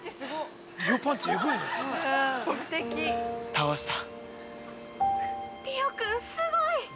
◆倒した。